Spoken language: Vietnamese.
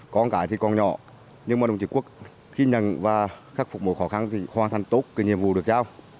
con cái thì còn nhỏ nhưng mà đồng chí quốc khi nhận và khắc phục mỗi khó khăn thì hoàn thành tốt cái nhiệm vụ được giao